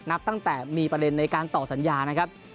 นับตั้งแต่มีประเด็นในการต่อสัญญานะครับ